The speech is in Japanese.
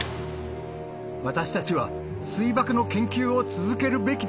私たちは水爆の研究を続けるべきだ。